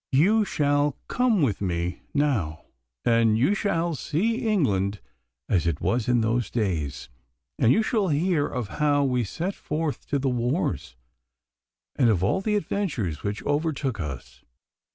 You shall come with me now, and you shall see England as it was in those days, and you shall hear of how we set forth to the wars, and of all the adventures which overtook us.